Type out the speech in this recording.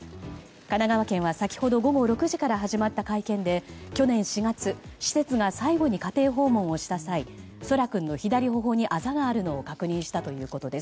神奈川県は、先ほど午後６時から始まった会見で去年４月施設が最後に家庭訪問をした際空来君の左頬にあざがあるのを確認したということです。